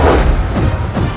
aku akan menang